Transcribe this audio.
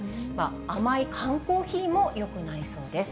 甘い缶コーヒーもよくないそうです。